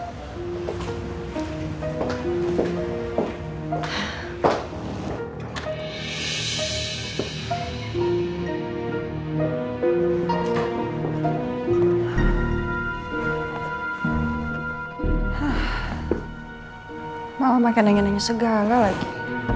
ah malah makanannya nanya segala lagi